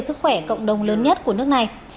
sức khỏe cộng đồng lớn nhất của nước này